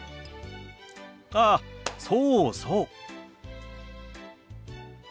あそうそう。